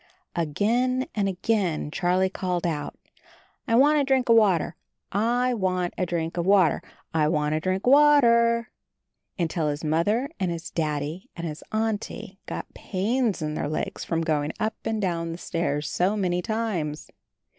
Again and again Charlie called out, "I want a drink of water, I want a drink of water, I want a drink of water," until his Mother and his Daddy and his Auntie got pains in their legs from going up and down the stairs so many times.